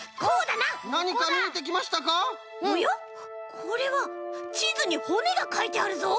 これはちずにほねがかいてあるぞ！